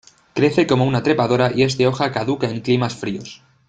Crece como una trepadora y es de hoja caduca en climas fríos.